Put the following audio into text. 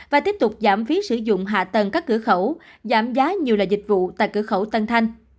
và tiếp tục giảm phí sử dụng hạ tầng các cửa khẩu giảm giá nhiều loại dịch vụ tại cửa khẩu tân thanh